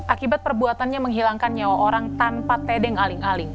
akibat perbuatannya menghilangkan nyawa orang tanpa tedeng aling aling